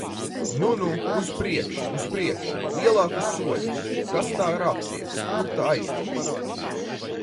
Nu, nu! Uz priekšu! Uz priekšu! Lielākus soļus! Kas tā rāpsies! Kur ta aiztiks!